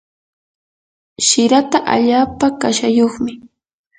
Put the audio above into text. shiraka allaapa kashayuqmi.